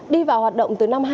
đi vào hoạt động từ năm hai nghìn